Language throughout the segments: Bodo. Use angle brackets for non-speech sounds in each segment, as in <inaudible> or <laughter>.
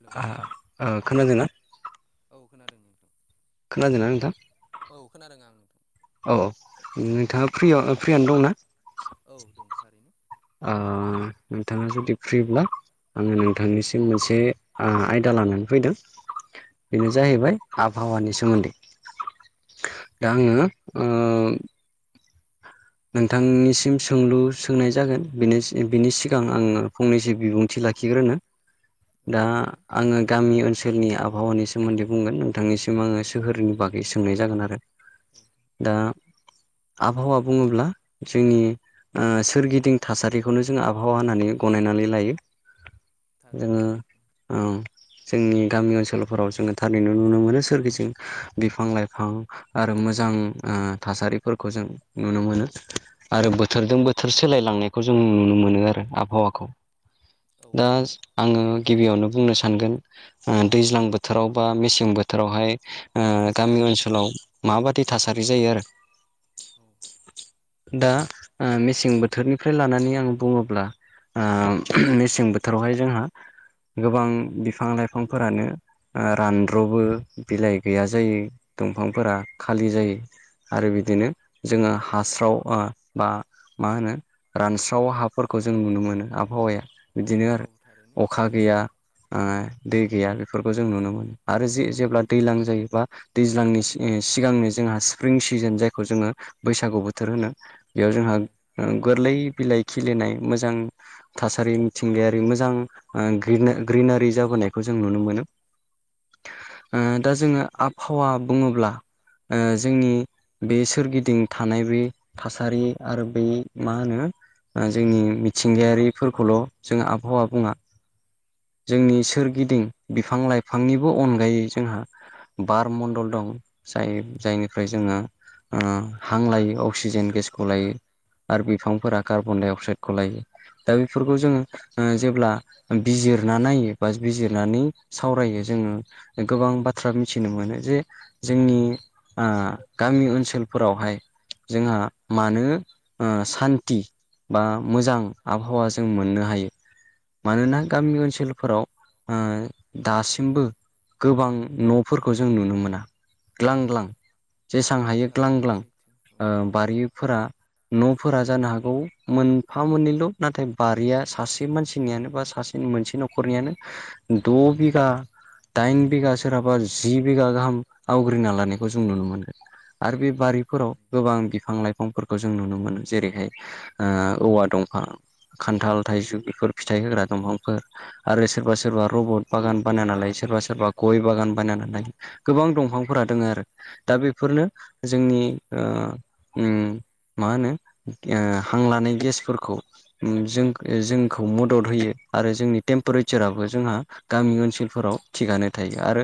हेलौ आ ओ खोनादोंना? औ खोनादों नोंथां खोनादोंना नोंथां? औ खोनादों आं नोंथां। औ नोंथाङा फ्रि फ्रियावनो दंना? औ दं थारैनो ओ नोंथाङा जुदि फ्रिब्ला आंङो नोंथांनिसिम मोनसे आ आयदा लानानै फैदों। बेनो जाहैबाय आबहावानि सोमोन्दै दा आंङो ओ नोंथांनिसिम सोंलु सोंनाय जागोन बिनि बिनि सिगां आंङो फंनैसो बिबुंथि लाखिग्रोनो औ दा थारैनो आंङो गामि ओनसोलाव नि आबहावानि सोमोन्दै बुंगोन। नोंथांनिसिम आंङो सोहोरनि बागै सोंनाय जागोन आरो। औ। दा आबहावा बुंङोब्ला जोंनि। ओ सोरगिदिं थासारिखौनो जोंङो आबहावा होननानै गनायनानै लायो। जोंङो थारैनो औ। जोंनि गामि जोंङो थारैनो नुनो मोनो सोरगिदिं बिफां लाइफां। आरो मोजां थासारिफोरखौ जों। नुनो मोनो आरो बोथोरजों बोथोर सोलायलांनायखौ जों नुनो मोनो आरो आबहावाखौ औ दा। नंगौ आंङो गिबियावनो बुंनो सानगोन दैज्लां बोथोराव बा मेसें बोथोरावहाय। ओ गामि ओनसोलाव माबादि थासारि जायो आरो। औ। दा मेसें बोथोरनिफ्राय लानानै आं बुङोब्ला। ओ मेसें बोथोरावहाय जोंहा गोबां बिफां लाइफांफोरानो ओ रानद्र'बो बिलाइ गैया जायो दंफांफोरा खालि जायो। आरो बिदिनो जोंङो हास्रा ओ बा मा होनो। रानस्राव हाफोरखौ जों नुनो मोनो आबहावाया बिदिनो आरो औ थारैनो अखा सैथो गैया। ओ दै गैया बेफोरखौ जों नुनो मोनो आरो जे जेब्ला दैज्लां जायोबा दैज्लांनिसिम सिगांनो जोंहा स्प्रिं सिजोन जायखौ जोंङो। बैसागु बोथोर होनो बेयाव जोंहा औ ओ गोरलै बिलाइ खिलिनाय मोजां थासारि मिथिंगायारि मोजां ग्रिना ग्रिनारि जाबोनायखौ जों नुनो मोनो। दा जोङो आबहावा बुङोब्ला जोंनि बे सोरगिदिं थानाय बे थासारि आरो बेनि मा होनो जोंनि मिथिंगायारिफोर खौल' जों आबहावा बुङा जोंनि सोरगिदिं बिफां लाइफांनिबो अनगायै जोंहा बार मण्डल दं जाय जायनिफ्राय जोङो हां लायो अक्सिजेन गेसखौ लायो। आरो बिफांफोरा कार्बन डाइ अक्साइदखौ लायो दा बेफोरखौ जोङो जेब्ला बिजिरना नायो बा बिजिरनानै सावरायो जोङो गोबां बाथ्रा मिथिनो मोनो जे जोंनि गामि ओनसोलफोरावहाय जोंहा मानो सान्टि बा मोजां आबहावा जों मोननो हायो। मानोना गामि ओनसोलफोराव दासिमबो गोबां न'फोरखौ जों नुनो मोना ग्लां ग्लां। जेसां औ हायो ग्लां थारैनो ग्लां सैथो औ बारिफोरा न'फोरा जानो हागौ मोनफा मोननैल' नाथाय बारिया सासे मानसि नियानो बा सासे मोनसे न'खरनियानो द' बिघा <unintelligible> दाइन बिघा सोरहाबा जि बिघा गाहाम आवग्रिना लानायखौ जों नुनो मोनो। आरो बे औ बारिफोराव थारैनो गोबां सैथो बिफां लाइ फांफोरखौ जों नुनो मोनो जेरैहाय औवा दंफां खान्थाल थाइजौ बेफोर फिथाइ होग्रा दंफांफोर आरो सोरबा सोरबा रबट बागान बानाया नालाय सोरबा सोरबा गय बागान बायनानै लायो गोबां दंफांफोरा दङ आरो दा बेफोरनो जोंनि ओ मा होनो हांलानाय गेसफोरखौ जों जोंखौ मदद होयो। आरो जोंनि टेम्पारेचाराबो जोंहा गामि ओनसोलफोराव थिगानो थायो आरो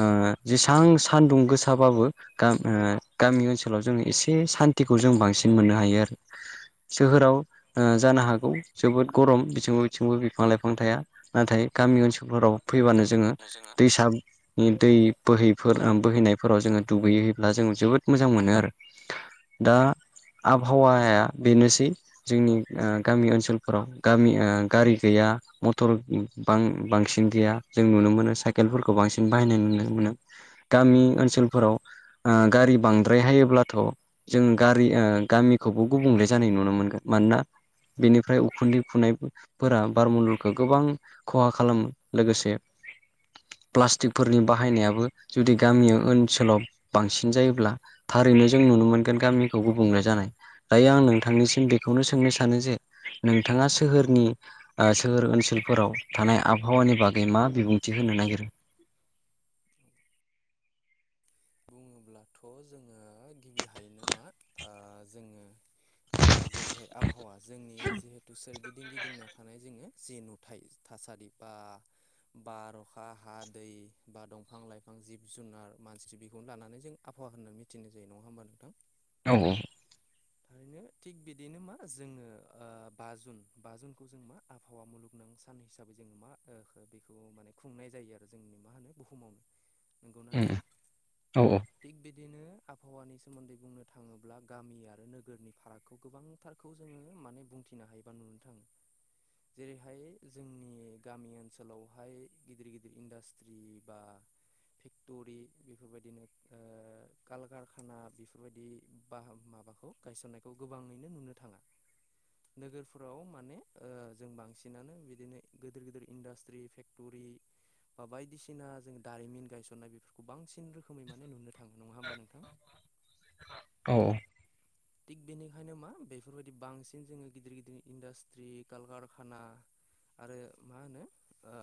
ओ जेसां सानदुं गोसाबाबो गाम ओ गामि ओनसोलाव जोंनि एसे सान टिखौ जों बांसिन मोननो हायो आरो सोहोराव ओ जानो हागौ जोबोद गरम बिथिंबो बिथिंबो बिफां लाइफां थाया नाथाय गामि ओनसोलफोराव फैबानो जोङो दैसा दै बोहैफोर बोहैनायफोराव जोङो दुगैैहोयोब्ला जों जोबोद मोजां मोनो आरो। दा आबहावाया बेनोसै जोंनि ओ गामि ओनसोलफोराव गामि ओ गारि गैया। मटर बां बांसिन गैया जों नुनो मोनो साइकेलफोरखौ बांसिन बाहायनाय नुनो मोनो। गामि ओनसोलफोराव ओ गारि बांद्राय हायोब्लाथ' जों गारि ओ गामिखौबो गुबुंले जानाय नुनो मोनगोन मानोना बेनिफ्राय उखुन्दै खुनाय फोरा बारमडलखौ गोबां खहा खालामो। लोगोसे प्लास्टिकफोरनि बाहायनायाबो जुदि गामि ओनसोलाव बांसिन जायोब्ला थारैनो जों नुनो मोनगोन गामिखौ गुबुंले जानाय। दायो आं नोंथांनिसिम बेखौनो सोंनो सानो जे नोंथाङा सोहोर नि ओ सोहोर ओनसोलफोराव थानाय आबहावानि बागै मा बिबुंथि होनो नागिरो? <inaudible> बुङोब्लाथ' जोङो गिबिहायनो मा ओ जोङो दा जेरैहाय आबहावा जोंनि जिहेतु सोरगिदिं गिदिंना थानाय जोङो जे नुथाय थासारि बा बार अखा हा दै बा दंफां-लाइफां जिब-जुनार मानसि बि खौनो लानानै जों आबहावा होननानै मिथिनाय जायो नङा होमबा नोंथां। औ ओरैनो थिग बिदिनो मा जोङो ओ बाजुन बाजुनखौ जों मा आबहावा मुलुगनां सान हिसाबै जोङो मा ओ बेखौ माने खुंनाय जायो आरो जोंनि मा होनो बुहुमावनो। <inaudible> नंगौना उम नोंथां। औ थिग बिदिनो आबहावानि सोमोन्दै बुंनो थाङोब्ला गामिया आरो नोगोरनि फारागखौ गोबांथारखौ जोङो माने बुंथिनो हायोबा नुनो थाङो। जेरैहाय जोंनि गामि ओनसोलावहाय गिदिर गिदिर इन्डास्ट्रि बा फेक्ट'रि बेफोरबायदिनो ओ कलकारखाना बेफोरबायदि बाह माबाखौ गायसननायखौ गोबाङैनो नुनो थाङा। नोगोरफोराव माने ओ जों बांसिनानो बिदिनो गिदिर गिदिर इन्डास्ट्रि फेक्ट टरि बा बायदिसिना जों दारिमिन गायसननाय बेफोरखौ बांसिन रो खोमै माने नुनो थाङो नङा होमबा नोंथां। औ थिग बेनिखायनो मा बेफोरबायदि बांसिन जोङो गिदिर गिदिर इन्डास्ट्रि कलकारखाना आरो मा होनो ओ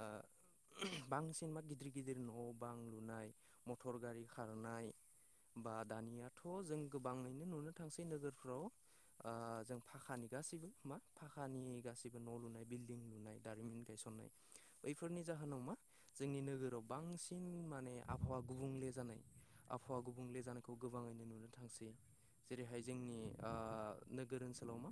बांसिन मा गिदिर गिदिर न' बां लुनाय मटर गारि खारनाय। बा दानियाथ' जों गोबाङैनो नुनो थांसै नोगोरफ्राव। ओ जों पाखानि गासैबो मा पाखानि गासैबो न' लुनाय बिल्डिं लुनाय दारिमिन गायसं नाय बैफोरनि जाहोनाव मा जोंनि नोगोराव बांसिन माने आबहावा गुबुंले जानाय। आबहावा गुबुंले जानायखौ गोबाङैनो नुनो थांसै। जेरैहाय जोंनि ओ नोगोर ओनसोलाव मा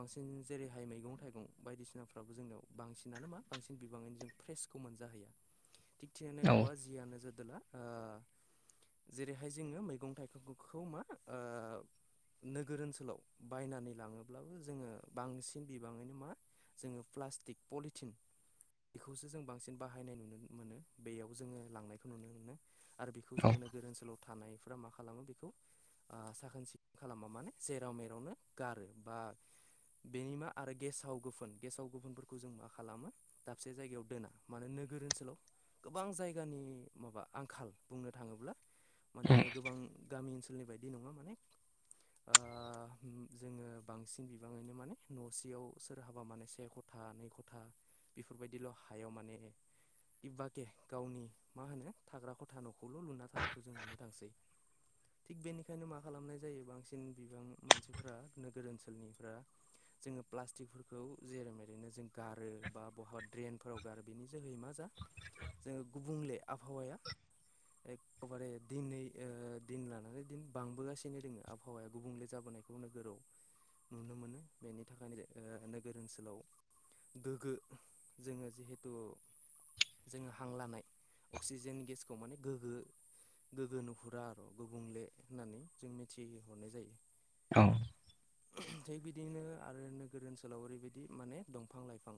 बांसिन जेरैहाय मैगं-थाइगं बायदिसिनाफ्राबो जोंनियाव बांसिनानो मा बांसिन बिबाङैनो जों फ्रेस खौ मोनजाहैया। <inaudible> थिग औ थेनेकुवा जियानो जादोला ओ जेरैहाय जोङो मैगं-थाइगंखौ मा ओ नोगोर ओनसोलाव बायनानै लाङोब्लाबो जोङो बांसिन बिबाङैनो मा जोङो प्लास्टिक पलिटिन बेखौसो जों बांसिन बाहायनाय नुनो मोनो बेयाव जोङो लांनायखौ नुनो मोनो। आरो बेखौ औ जोङो नोगोर ओनसोलाव थानायफ्रा मा खालामो बेखौ ओ साखोन सि खालामा माने जेराव मेरावनो गारो बा बेनि मा आरो गेसाव गोफोन गेसाव गोफोनफोरखौ जों मा खालामो दाबसे जायगायाव दोना मानो नोगोर ओनसोलाव गोबां जायगानि माबा आंखाल बुंनो थाङोब्ला। माने गोबां गामि ओनसोलनि बायदि नङा माने ओ जोङो बांसिन बिबाङैनो माने न'सेयाव सोर हाबा माने से ख था नै खथा बेफोरबायदिल' हायाव माने इबाके गावनि मा होनो थाग्रा ख था न'खौल' लुना थानायखौ जों नुनो थांसै थिक बेनिखायनो मा खालामनाय जायो बांसिन बिबां मानसिफोरा नोगोर ओनसोलनिफ्रा जोङो प्लास्टिकफोरखौ जेरै मेरैनो जों गारो बा बहाबा ड्रेनफोराव आरो बेनि जोहै मा जा जोङो गुबुंले आबहावाया एखदमबारे दिनै ओ दिन लानानै दिन बांबोगासिनो दोङो आब आहावाया गुबुंले जाबोनायखौ नोगोराव नुनो मोनो बेनि थाखायनो ओ नोगोर ओनसोलाव गोग्गो जोङो जिहेथु जोङो हां लानाय अक्सिजेन गेसखौ माने गोग्गो गोग्गो नुहुरा आर' गुबुंले होननानै जों मिथिहरनाय जायो औ थिग बिदिनो आरो नोगोर ओनसोलाव ओरैबायदि माने दंफां लाइफां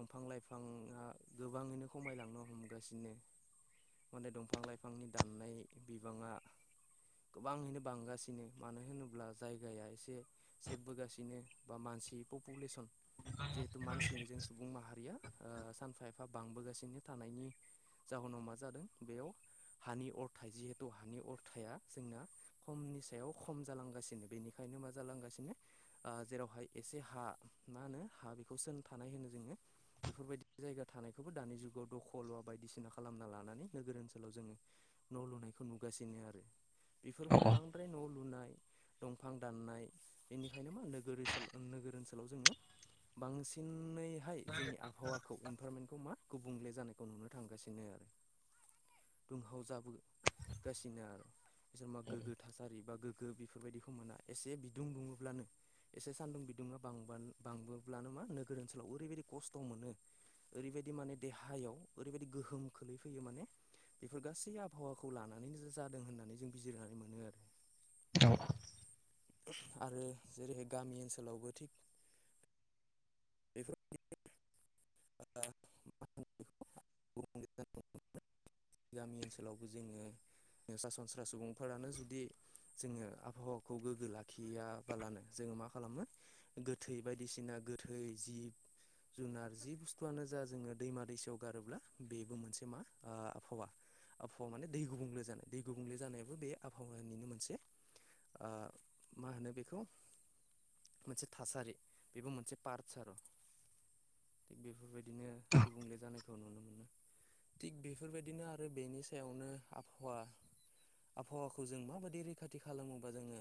दंफां लाइफाङा गोबाङैनो खमायलांनो हमगासिनो माने दंफां लाइफांनि दाननाय बिबाङा गोबाङैनो बांगासिनो मानो होनोब्ला जायगाया एसे सेफबोगासिनो बा मानसि पपुलेसन जिहेतु मानसिनो जों सुबुं माहारिया ओ सानफा एफा बांबोगासिनो थानायनि जाहोनाव मा जादों बेयाव हानि अरथाइ जिहेथु हानि अरथाया जोंना खमनि सायाव खम जालांगासिनो बेनिखायनो मा जालांगासिनो ओ जेरावहाय एसे हा मा होनो हा बेखौसोन थानाय होनो जोङो बेफोरबायदि जायगा थानायखौबो दानि जुगाव दखलवा बायदिसिना खालामना लानानै नोगोर ओनसोलाव जोङो न' लुनायखौ नुगासिनो आरो बेफोरबायदि बांद्राय न' लु लुनाय दंफां दाननाय बेनिखायनो मा नोगोर ओनसोलाव नोगोर ओनसोलाव जोङो बांसिनैहाय जोंनि आबहावाखौ इनभारमेन्टखौ मा गुबुंले जानायखौ नुनो थांगासिनो आरो दुंहाव जाबोगासिनो आरो सोरबा गोगो थासारि बा गो गो बेफोर बादिखौ मोना एसे बिदुं दुङोब्लानो एसे सान्दुं बिदुंवा बांबा बांबोब्लानो मा नोगोर ओनसोलाव ओरैबायदि खस्थ' मोनो ओरैबायदि माने देहायाव ओरैबायदि गोहोम खोलैफैयो माने बेफोर गासै आबहावाखौ लानानैनो जादों होननानै जों बिजिरनानै मोनो आरो <unintelligible> आरो जेरैहाय गामि ओनसोलावबो थिग ओ मा गामि ओनसोलावबो जोङो एसा सनस्रा सुबुंफोरानो जुदि जोङो आबहावाखौ गोग्गो लाखियैया बालानो जोङो मा खालामो गोथै बायदिसिना गोथै जिब जुनार जि बुस्थुआनो जा जोङो दैमा दैसायाव गारोब्ला बेबो मोनसे मा ओ आबहावा आबहावा माने दै गुबुंले जानाय दै गुबुंले जानायाबो बे आबहावानिनो मोनसे ओ मा होनो बेखौ मोनसे थासारि बेबो मोनसे पार्टस आरो थिग बेफोरबायदिनो बिदिनो गुबुंले जानायखौ नुनो मोनो थि बे बेफोरबायदिनो आरो बेनि सायावनो आबहावा आबहावाखौ जों माबायदि रैखाथि खालामोबा जोङो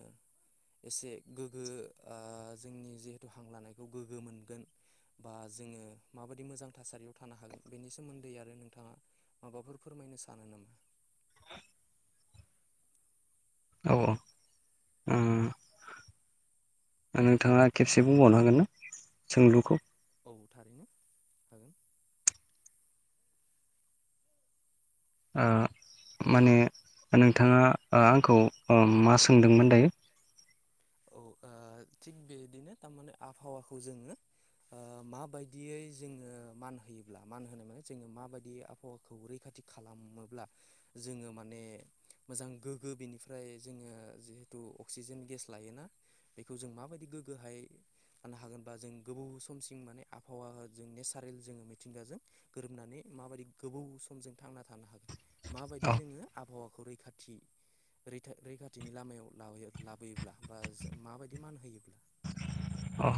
एसे गोग्गो ओ जोंनि जिहेथु हां लानायखौ गोग्गो मोनगोन बा जोङो माबायदि मोजां थासारियाव थानो हागोन बेनि सोमोन्दै आरो नोंथाङा माबाफोर फोरमायनो सानो नामा औ औ उम। नोंथाङा खेबसे बुंबावनो हागोन ना सोंलुखौ। औ थारैनो हागोन। ओ माने नोंथाङा ओ आंखौ अ मा सोंदोंमोन दायो? औ ओ थिग बेदिनो थारमाने आबहावाखौ जोङो ओ माबायदियै जोङो मान होयोब्ला मान होनाय माने जोङो माबायदि आबहावा खौ रैखाथि खालामोब्ला जोङो माने मोजां गोग्गो बेनिफ्राय जोङो जिहेथु अक्सिजेन गेस लायोना बेखौ जों माबायदि गोग्गोहाय जानो हागोनबा जों गोबाव समसिम माने आबहावा जों नेचारेल जोङो मिथिंगाजों गोरोबनानै माबायदि गोबौ समजों थांना थानो हागोन? औ माबायदि जोङो आबहावाखौ रैखाथि रैथा रैखाथिनि लामायाव लाबोयो-लाबोयो। ब्ला बा जों माबायदि मान होयोब्ला अ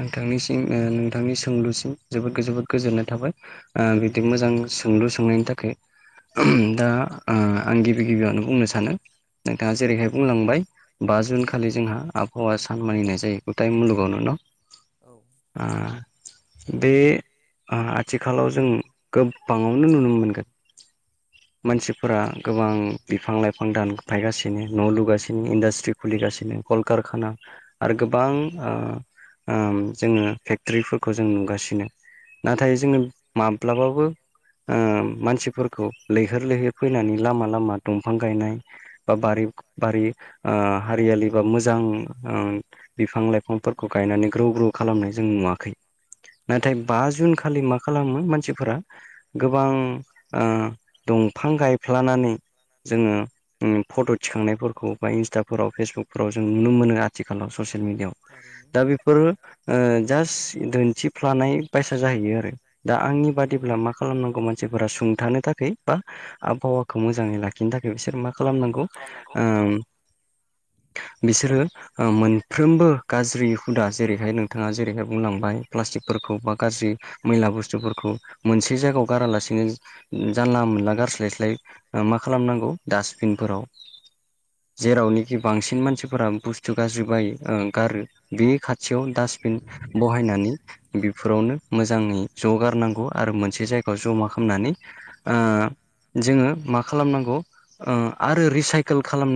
नोंथांनिसिम ओ नोंथांनि सोंलुसिम जोबोद गोजोबोद गोजोननाय थाबाय ओ बिदि मोजां सोंलु सोंनायनि थाखाय। दा ओ आं गिबि गिबियावनो बुंनो सानो नोंथाङा जेरैहाय बुंलांबाय बा औ जुन खालि जोंहा आबहावा सान मानिनाय जायो गुथाय मुलुगावनो न'? औ आ बे आ आथिखालाव जों गोबाङावनो नुनो मोनगोन। मानसिफोरा गोबां बिफां-लाइफां दानफायगासिनो न' लुगासिनो इन्डास्ट ट्रि खुलिगासिनो कलकारखाना आरो गोबां ओ ओम जोङो फेक्टरिफोरखौ जों नुगासिनो नाथाय जोङो माब ब्लाबाबो ओ मानसिफोरखौ लै होर लैहोर फैनानै लामा लामा दंफां गायनाय बा बारि बारि हारियालि बा मोजां ओ बिफां लाइफांफोरखौ गायनानै ग्रौ ग्रौ खालामनाय जों नुवाखै। नाथाय थारैनो बा जुन खालि मा खालामो मानसिफोरा गोबां ओ दंफां गायफ्लानानै जोङो उम फट' थिखांनायफोरखौ बा इन्स्टाफोराव फेसबुकफोराव जों नुनो मोनो आथिखालाव ससियेल मिडियाआव। थारैनो सैथो। फोरो ओ जास्ट दिन्थिफ्लानाय बायसा जाहैयो आरो। दा आंनि बादिब्ला मा खालामनांगौमोन सिफोरा सुंथानो थाखै बा आबहावाखौ मोजाङै लाखिनो थाखै बिसोर मा खालामनांगौ ओम बिसोरो ओ मोनफ्रोमबो गाज्रि हुदा जेरैहाय नोंथाङा जेरैहाय बुंलांबाय प्लास्टिकफोरखौ बा गाज्रि मैला बुस्थुफोरखौ मोनसे जायगायाव गारालासिनो जानला मोनला गार स्लाय स्लाय मा खालामनांगौ डासटबिनफोराव जेरावनोखि बांसिन मानसिफोरा बुस्थु गाज्रि बायो गारो बिनि खाथियाव डासटबिन बहायनानै बेफोरावनो मोजाङै ज'गारनांगौ आरो मोनसे जायगायाव जमा खामनानै जोङो मा खालामनांगौ आरो रिसाइकेल खालामनाय